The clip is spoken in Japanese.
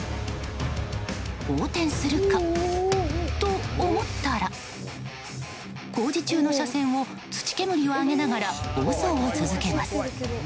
横転するかと思ったら工事中の車線を土煙を上げながら暴走を続けます。